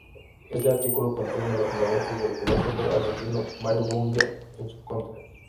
Este artículo contiene los fundamentos del filósofo argentino Mario Bunge en su contra.